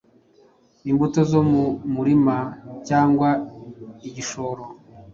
imbuto zo mu murima cyangwa igishoro.